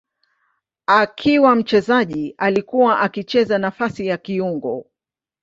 Akiwa mchezaji alikuwa akicheza nafasi ya kiungo.